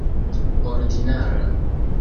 ordinara